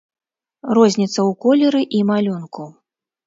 Розніца ў колеры і малюнку.